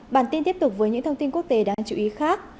bản tin tiếp tục với những thông tin quốc tế đáng chú ý khác